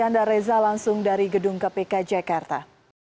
yanda reza langsung dari gedung kpk jakarta